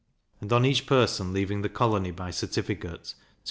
and, on each person leaving the colony by certificate, 2s.